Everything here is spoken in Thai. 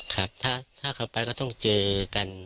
ครับถ้าเขาไปก็ต้องเจอกัน